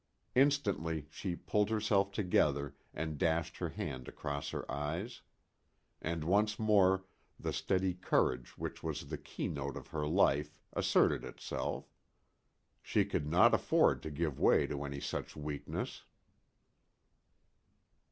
Instantly she pulled herself together, and dashed her hand across her eyes. And once more the steady courage which was the key note of her life asserted itself. She could not afford to give way to any such weakness.